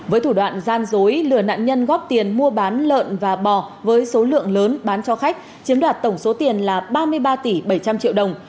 với thủ đoạn gian dối lừa nạn nhân góp tiền mua bán lợn và bò với số lượng lớn bán cho khách chiếm đoạt tổng số tiền là ba mươi ba tỷ bảy trăm linh triệu đồng